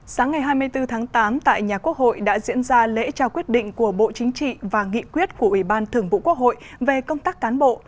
sáng ngày hai mươi bốn tháng tám tại nhà quốc hội đã diễn ra lễ trao quyết định của bộ chính trị và nghị quyết của ủy ban thường vụ quốc hội về công tác cán bộ